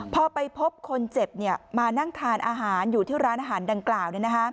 พอไปพบคนเจ็บมานั่งทานอาหารอยู่ที่ร้านอาหารดังกล่าว